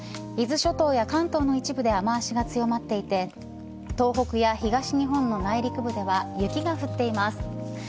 伊豆諸島や関東の一部で雨脚が強まっていて東北や東日本の内陸部では雪が降っています。